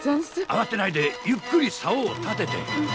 あわてないでゆっくりさおを立てて。